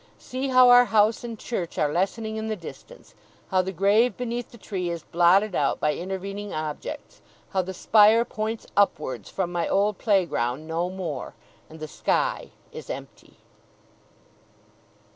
See, how our house and church are lessening in the distance; how the grave beneath the tree is blotted out by intervening objects; how the spire points upwards from my old playground no more, and the sky is empty!